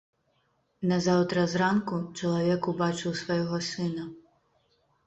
Назаўтра зранку чалавек убачыў свайго сына.